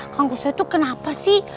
kangkusoy itu kenapa sih